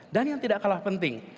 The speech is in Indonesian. dan yang tidak kalah penting